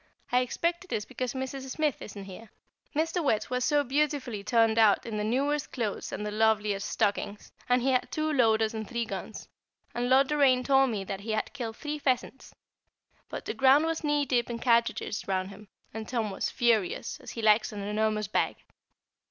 I expect it is because Mrs. Smith isn't here. Mr. Wertz was so beautifully turned out in the newest clothes and the loveliest stockings, and he had two loaders and three guns, and Lord Doraine told me that he had killed three pheasants, but the ground was knee deep in cartridges round him, and Tom was furious, as he likes an enormous bag.